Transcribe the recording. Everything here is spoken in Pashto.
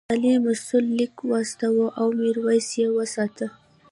د مالیې مسوول لیک واستاوه او میرويس یې وستایه.